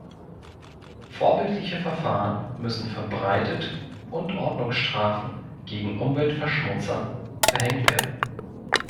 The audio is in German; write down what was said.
Vorbildliche Verfahren müssen verbreitet und Ordnungsstrafen gegen Umweltverschmutzer verhängt werden.